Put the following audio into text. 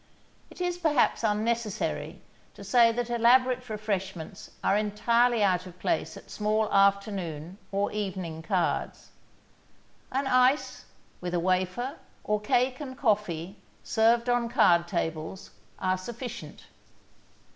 It is, perhaps, unnecessary to say that elaborate refreshments are entirely out of place at small afternoon or evening cards. An ice, with a wafer, or cake and coffee, served on card tables, are sufficient.